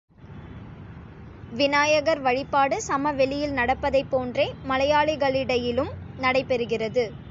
விநாயகர் வழிபாடு சமவெளியில் நடப்பதைப் போன்றே மலையாளிகளிடையிலும் நடைபெறுகிறது.